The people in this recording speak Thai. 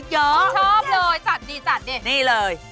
ชอบเลยจัดดีนี่เลย